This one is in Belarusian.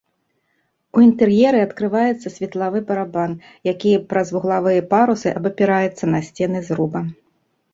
У інтэр'еры адкрываецца светлавы барабан, які праз вуглавыя парусы абапіраецца на сцены зруба.